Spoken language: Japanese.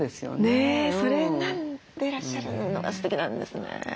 ねえそれなんでいらっしゃるのがすてきなんですね。